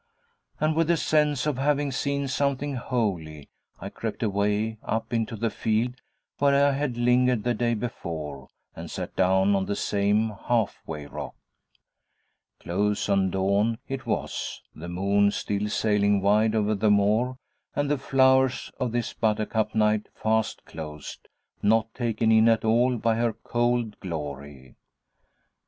And with the sense of having seen something holy, I crept away up into the field where I had lingered the day before, and sat down on the same halfway rock. Close on dawn it was, the moon still sailing wide over the moor, and the flowers of this 'buttercup night' fast closed, not taken in at all by her cold glory!